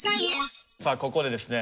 さあここでですね